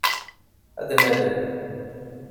Ad d-nalel.